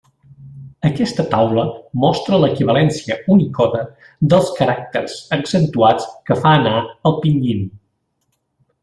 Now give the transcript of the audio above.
Aquesta taula mostra l'equivalència Unicode dels caràcters accentuats que fa anar el Pinyin.